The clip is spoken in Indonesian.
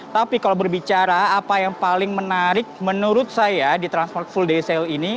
tapi kalau berbicara apa yang paling menarik menurut saya di transmart full day sale ini